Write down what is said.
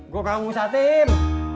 gue gak mau usah tim